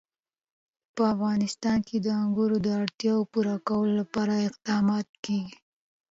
په افغانستان کې د انګور د اړتیاوو پوره کولو لپاره اقدامات کېږي.